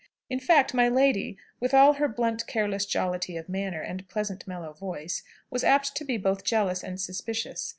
In fact, my lady, with all her blunt careless jollity of manner and pleasant mellow voice, was apt to be both jealous and suspicious.